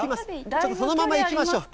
ちょっとそのままいきましょう。